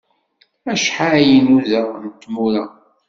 Acḥal i nnuda n tmura!